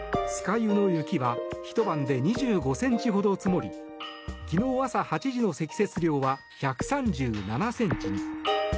湯の雪はひと晩で２５ｃｍほど積もり昨日朝８時の積雪量は１３７ｃｍに。